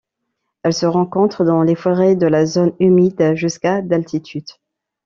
Elle se rencontre dans les forêts de la zone humide jusqu'à d'altitude.